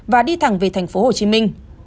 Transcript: và đi thẳng về thành phố hồ chí minh